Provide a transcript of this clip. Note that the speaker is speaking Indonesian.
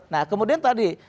nah kemudian tadi